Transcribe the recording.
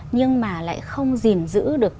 nhưng mà lại không gìn giữ được